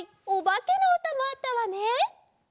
おばけのうたもあったわね。